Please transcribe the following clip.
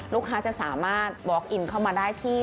ลูกค้าจะสามารถบล็อกอินเข้ามาได้ที่